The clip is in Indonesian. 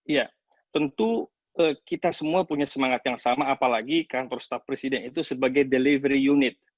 ya tentu kita semua punya semangat yang sama apalagi kantor staf presiden itu sebagai delivery unit